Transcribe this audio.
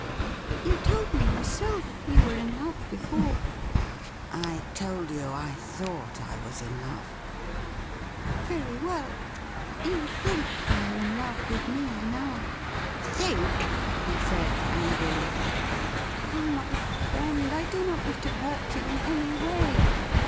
' You told me yourself you were in love before ^'' I told you I thought I was in love.' ' Very well ; you think you are in love with me now.' ' Think !' he said angrily. ' Oh, my friend, I do not wish to hurt you in any way.